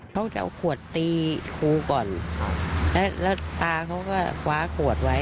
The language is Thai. เขาจะเอาขวดตีครูก่อนแล้วแล้วตาเขาก็คว้าขวดไว้